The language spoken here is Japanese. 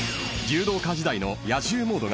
［柔道家時代の］